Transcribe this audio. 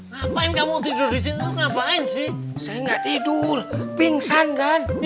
ngapain kamu tidur di sini